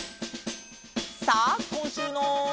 さあこんしゅうの。